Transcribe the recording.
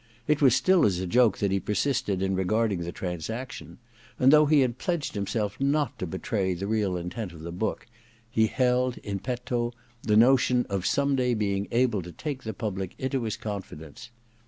It was stOl as a Joke that he persisted in regarding the transaction ; and though he had pledged himself not to betray the real intent of the book, he held in petto the notion of some day being able to take the public into his confidence.